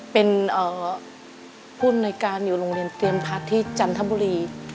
เป็นผู้อำนวยการอยู่โรงเรียนเตรียมพัฒน์ที่จันทบุรี